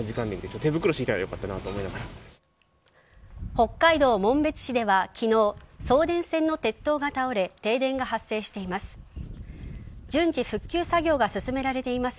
北海道紋別市では昨日送電線の鉄塔が倒れ停電が発生しています。